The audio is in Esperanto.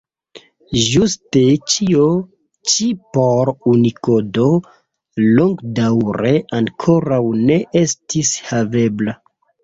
Ĝuste ĉio ĉi por Unikodo longdaŭre ankoraŭ ne estis havebla.